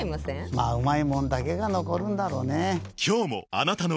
まぁうまいもんだけが残るんだろうねぇ。